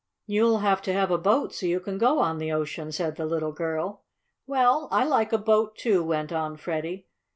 "You'll have to have a boat so you can go on the ocean," said the little girl. "Well, I like a boat, too," went on Freddie.